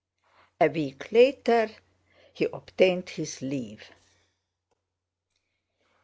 A week later he obtained his leave.